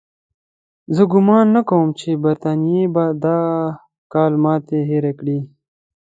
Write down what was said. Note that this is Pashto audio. زه ګومان نه کوم چې برټانیې به د کال ماتې هېره کړې وي.